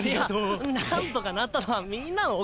なんとかなったのはみんなのおかげで。